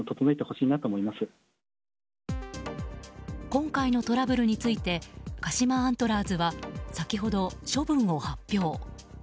今回のトラブルについて鹿島アントラーズは先ほど、処分を発表。